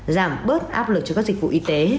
giảm bớt áp lực cho các dịch vụ y tế